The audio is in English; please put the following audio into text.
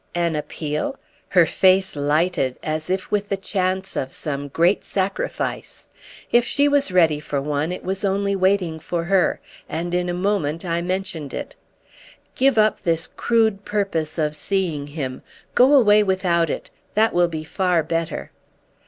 "An appeal?" Her face lighted as if with the chance of some great sacrifice. If she was ready for one it was only waiting for her, and in a moment I mentioned it. "Give up this crude purpose of seeing him! Go away without it. That will be far better."